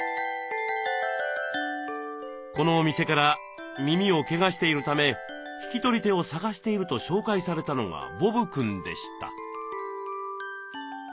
このお店から耳をけがしているため引き取り手を探していると紹介されたのがボブくんでした。